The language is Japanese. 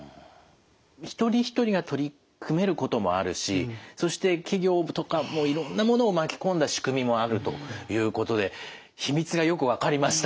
一人一人が取り組めることもあるしそして企業とかもういろんなものを巻き込んだ仕組みもあるということで秘密がよく分かりました。